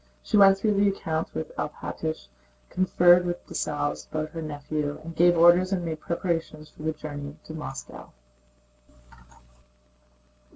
She went through the accounts with Alpátych, conferred with Dessalles about her nephew, and gave orders and made preparations for the journey to Moscow.